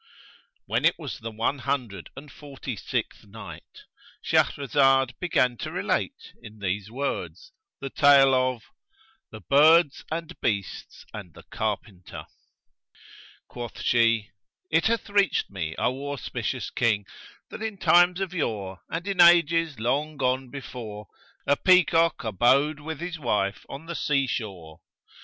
When it was the One Hundred and Forty sixth Night, Shahrazad began to relate, in these words, the tale of THE BIRDS AND BEASTS AND THE CARPENTER[FN#130] Quoth she, It hath reached me, O auspicious King, that in times of yore and in ages long gone before, a peacock abode with his wife on the seashore.